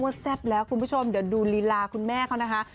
แซ่บแล้วคุณผู้ชมเดี๋ยวดูลีลาคุณแม่เขานะคะ